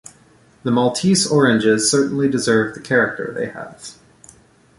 The Maltese oranges certainly deserve the character they have.